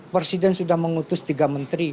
presiden sudah mengutus tiga menteri